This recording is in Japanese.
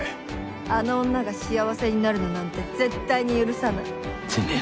あの女が幸せになるのなんて絶対に許さないてめえ